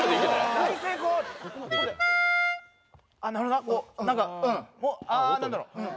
あ何だろう？